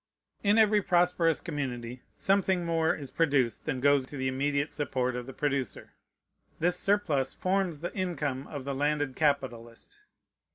In every prosperous community something more is produced than goes to the immediate support of the producer. This surplus forms the income of the landed capitalist.